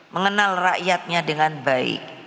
mengenal rakyatnya dengan baik